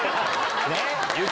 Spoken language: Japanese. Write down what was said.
ねっ！